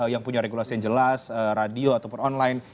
yang punya regulasi yang jelas radio ataupun online